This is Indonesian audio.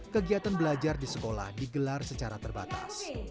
kegiatan belajar di sekolah digelar secara terbatas